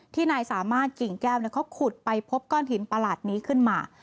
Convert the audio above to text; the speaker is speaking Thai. ที่นายสามารถกินแก้วแล้วเค้าขุดไปพบก้อนหินปลาหลาดนี้ขึ้นมา